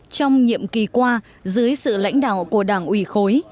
trong nhiệm kỳ qua dưới sự lãnh đạo của đảng ủy khối